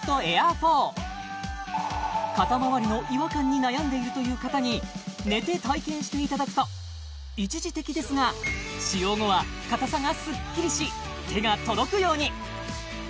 ４肩周りの違和感に悩んでいるという方に寝て体験していただくと一時的ですが使用後は硬さがスッキリし手が届くように！